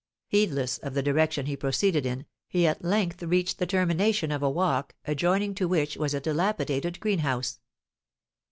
Heedless of the direction he proceeded in, he at length reached the termination of a walk, adjoining to which was a dilapidated greenhouse.